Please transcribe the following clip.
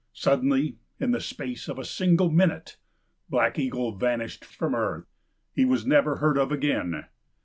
Suddenly, in the space of a single minute, Black Eagle vanished from earth. He was never heard of again.